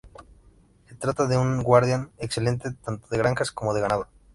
Se trata de un guardián excelente tanto de granjas como de ganado.